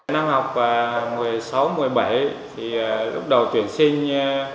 năm học một mươi sáu một mươi bảy thì lúc đầu tuyển sinh